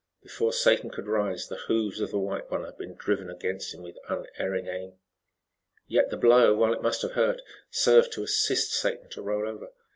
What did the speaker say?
Before Satan could rise, the hoofs of the white one had been driven against him with unerring aim. Yet, the blow while it must have hurt, served to assist Satan to roll over.